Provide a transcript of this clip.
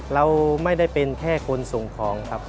เราไม่ได้เป็นแค่คนส่งของครับ